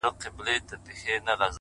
• دوه زړونه په سترگو کي راگير سوله،